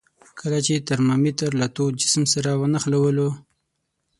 کله چې ترمامتر له تود جسم سره ونښلولو.